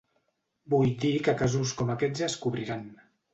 Vull dir que casos com aquests es cobriran.